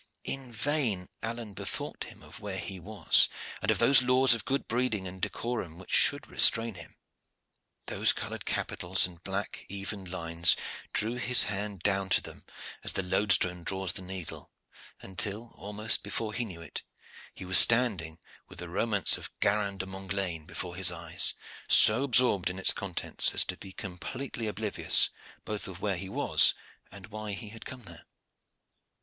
In vain Alleyne bethought him of where he was, and of those laws of good breeding and decorum which should restrain him: those colored capitals and black even lines drew his hand down to them, as the loadstone draws the needle, until, almost before he knew it, he was standing with the romance of Garin de Montglane before his eyes, so absorbed in its contents as to be completely oblivious both of where he was and why he had come there.